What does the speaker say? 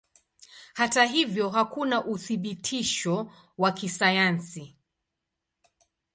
Hata hivyo hakuna uthibitisho wa kisayansi.